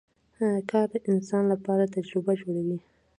کار د انسان لپاره تجربه جوړوي